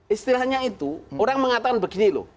istilahnya itu orang mengatakan begini loh